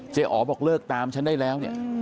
เจ๊อ๋อบอกเลิกตามฉันได้แล้ว